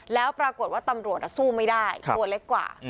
แล้วปรากฏว่าตำรวจสู้ไม่ได้ตัวเล็กกว่า